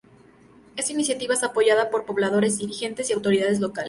Esta iniciativa es apoyada por pobladores, dirigentes y autoridades locales.